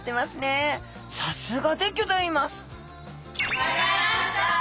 さすがでギョざいます！